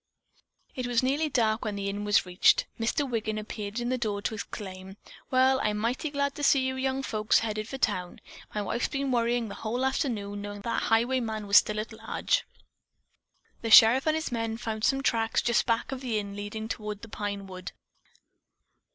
It was nearly dark when the inn was reached. Mr. Wiggin appeared in the door to exclaim, "Well, I'm mighty glad to see you young folks headed for town. My wife's been worrying the whole afternoon, knowing that highwayman was still at large. The sheriff and his men found some tracks just back of the inn leading toward the pine wood."